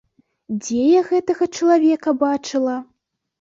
Дзе я гэтага чалавека бачыла?